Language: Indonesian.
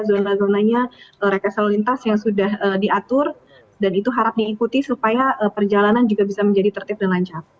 zona zonanya rekesal lintas yang sudah diatur dan itu harap diikuti supaya perjalanan juga bisa menjadi tertib dan lancar